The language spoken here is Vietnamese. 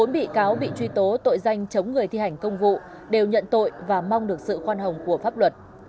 bốn bị cáo bị truy tố tội danh chống người thi hành công vụ đều nhận tội và mong được sự khoan hồng của pháp luật